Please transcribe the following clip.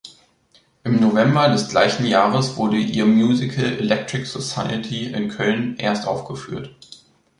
Im November des gleichen Jahres wurde ihr Musical "Electric Society" in Köln erstaufgeführt.